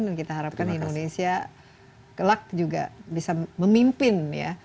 dan kita harapkan indonesia gelap juga bisa memimpin ya